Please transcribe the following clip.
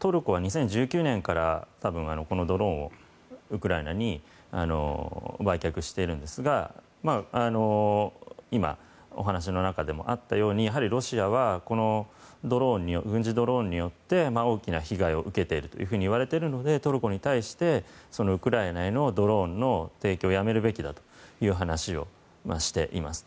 トルコは２０１９年からこのドローンをウクライナに売却しているんですが今お話の中でもあったようにロシアはこの軍事ドローンによって大きな被害を受けているといわれているのでトルコに対してウクライナへのドローンの提供をやめるべきだという話をしています。